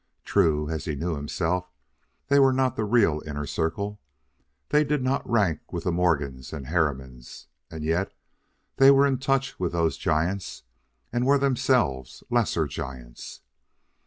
True, as he knew himself, they were not the real inner circle. They did not rank with the Morgans and Harrimans. And yet they were in touch with those giants and were themselves lesser giants.